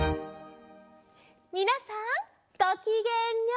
みなさんごきげんよう！